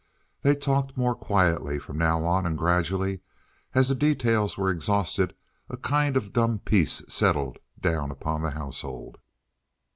They talked more quietly from now on, and gradually, as the details were exhausted, a kind of dumb peace settled down upon the household.